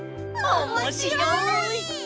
おもしろいです！